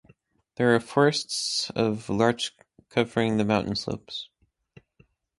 There are forests of larch covering the mountain slopes.